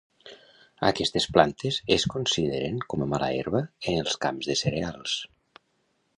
Aquestes plantes es consideren com a mala herba en els camps de cereals.